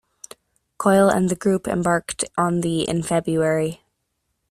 Coyle and the group embarked on the in February.